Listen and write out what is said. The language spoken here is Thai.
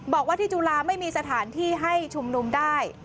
บอกว่าที่จุฬาไม่มีสถานที่ให้ชุมนุมได้